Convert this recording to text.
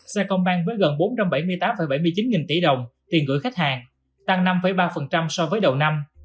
xe công banh với gần bốn trăm bảy mươi tám bảy mươi chín nghìn tỷ đồng tiền gửi khách hàng tăng năm ba so với đầu năm